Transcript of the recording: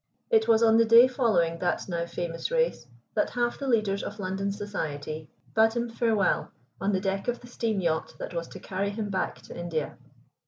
It was on the day following that now famous race that half the leaders of London Society bade him farewell on the deck of the steam yacht that was to carry him back to India.